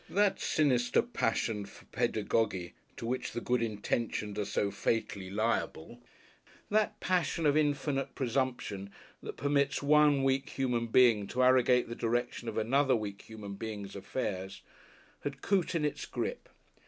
That sinister passion for pedagoguery to which the Good Intentioned are so fatally liable, that passion of infinite presumption that permits one weak human being to arrogate the direction of another weak human being's affairs, had Coote in its grip.